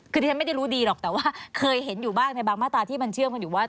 คือที่ฉันไม่ได้รู้ดีหรอกแต่ว่าเคยเห็นอยู่บ้างในบางมาตราที่มันเชื่อมกันอยู่ว่า